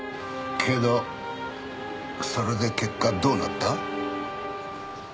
けどそれで結果どうなった？